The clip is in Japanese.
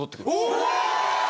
うわ！！